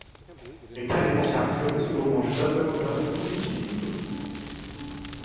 এখানে শাক সবজি এবং মসলার ব্যবহার খুবই সীমিত।